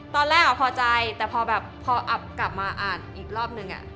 ตอนแรกพอใจแต่พอแบบพออับกลับมาอ่านอีกรอบนึง